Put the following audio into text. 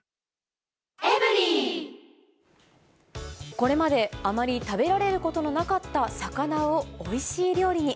これまであまり食べられることのなかった魚をおいしい料理に。